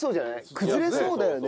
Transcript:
崩れそうだよね。